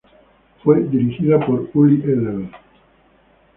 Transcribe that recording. Fue dirigida por Uli Edel.